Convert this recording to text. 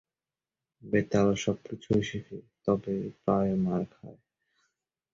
বেতাল সবকিছুই শেখে তবে প্রায়ই মার খায়।